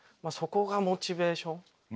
そこがモチベーション。